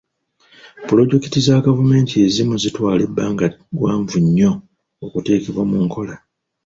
Pulojekiti za gavumenti ezimu zitwala ebbanga ggwanvu nnyo okuteekebwa mu nkola.